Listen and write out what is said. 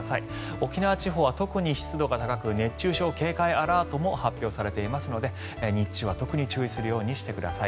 沖縄地方は特に湿度が高く熱中症警戒アラートが発表されていますので日中は特に注意するようにしてください。